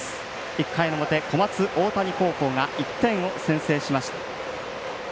１回の表、小松大谷高校が１点を先制しました。